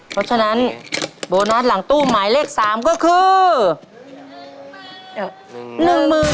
เพราะฉะนั้นโบนัสหลังตู้หมายเลข๓ก็คือ